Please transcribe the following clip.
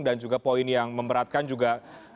dan juga poin yang memberatkan juga